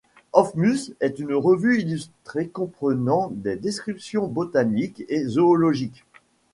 Hofmus., est une revue illustrée comprenant des descriptions botaniques et zoologiques.